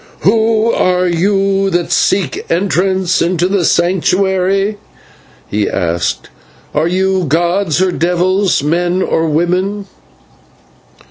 "Who are you that seek entrance into the Sanctuary?" he asked; "are you gods or devils, men or women?"